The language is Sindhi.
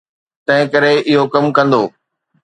تنهنڪري اهو ڪم ڪندو.